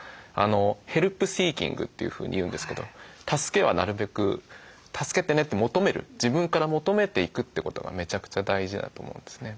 ヘルプシーキングというふうに言うんですけど助けはなるべく「助けてね」って求める自分から求めていくってことがめちゃくちゃ大事だと思うんですね。